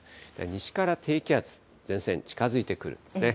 西から低気圧、前線、近づいてくるんですね。